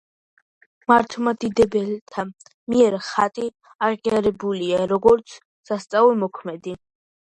მართლმადიდებელთა მიერ ხატი აღიარებულია, როგორც „სასწაულთმოქმედი“.